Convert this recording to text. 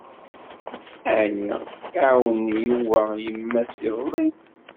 Ɛni iɛawen Yuba yemma-s iḍelli?